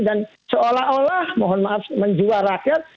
dan seolah olah mohon maaf menjual rakyat